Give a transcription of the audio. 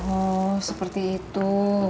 oh seperti itu